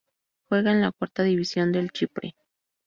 Juega en la Cuarta División del Chipre.